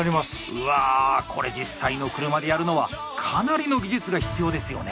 うわこれ実際の車でやるのはかなりの技術が必要ですよね。